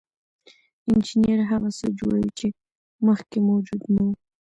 انجینر هغه څه جوړوي چې مخکې موجود نه وو.